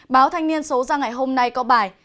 báo thanh niên số ra ngày hôm nay có bài